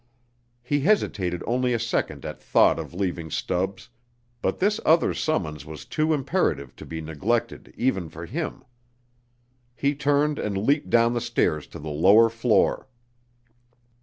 He hesitated only a second at thought of leaving Stubbs, but this other summons was too imperative to be neglected even for him. He turned and leaped down the stairs to the lower floor.